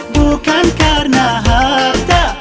bukan karena harta